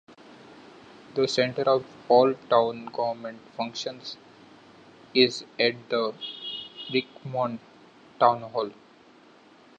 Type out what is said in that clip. The center of all town government functions is at the Richmond town hall.